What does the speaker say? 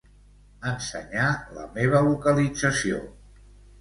Ensenyar la meva localització.